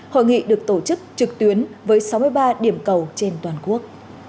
hội nghị được tổ chức trực tuyến với sáu mươi ba điểm cầu trên toàn quốc